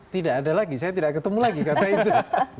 tidak ada lagi saya tidak ketemu lagi kata itu